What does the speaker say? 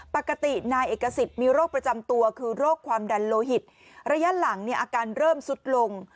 ปกตินายเอกสิทธิ์มีโรคประจำตัวคือโรคความดันโลหิตระยะหลังเนี่ยอาการเริ่มสุดลง